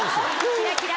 キラキラ！